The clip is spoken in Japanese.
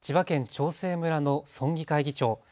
長生村の村議会議長。